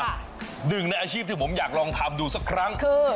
หนึ่งในอาชีพที่ผมอยากลองทำดูสักครั้งคือ